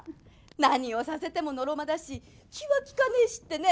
何をさせてものろまだし気は利かねえしってね。